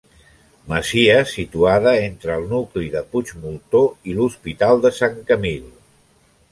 Masia situada entre el nucli de Puigmoltó i l'Hospital de Sant Camil.